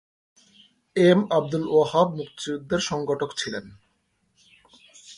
M Abdul Wahab মুক্তিযুদ্ধের সংগঠক ছিলেন।